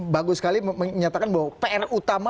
bagus sekali menyatakan bahwa pr utama